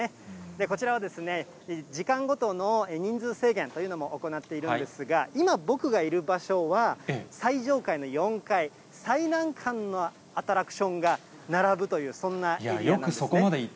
こちらは時間ごとの人数制限というのも行っているんですが、今、僕がいる場所は、最上階の４階、最難関のアトラクションが並ぶという、そんなエリアなんですね。